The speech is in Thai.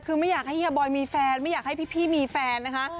คือไม่อยากให้เฮียบอยมีแฟนไม่อยากให้พี่มีแฟนนะคะ